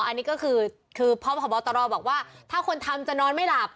อันนี้ก็คือคือพบตรบอกว่าถ้าคนทำจะนอนไม่หลับ